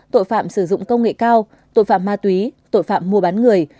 tội phạm sử dụng công nghệ cao tội phạm ma túy tội phạm mua bán người